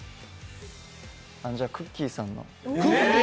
じゃ、くっきー！さんの。